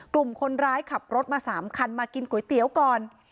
กลุ่มคนร้ายขับรถมา๓คันมากินก๋วยเตี๋ยวก่อน